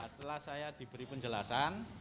setelah saya diberi penjelasan